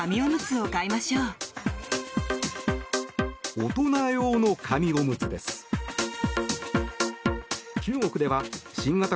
大人用の紙おむつです。